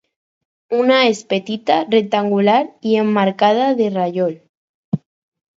Una és petita, rectangular i emmarcada de rajol.